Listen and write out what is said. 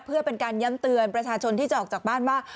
เพื่อเป็นการย้ำเตือนประชาชนที่จะออกจากบ้านว่า